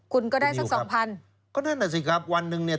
คุณก็ได้สักสองพันก็นั่นน่ะสิครับวันหนึ่งเนี่ย